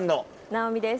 直美です。